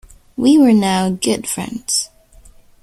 We were now good friends.